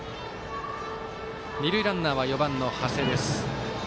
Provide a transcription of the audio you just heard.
二塁ランナーは４番の長谷。